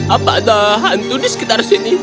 apa ada hantu di sekitar sini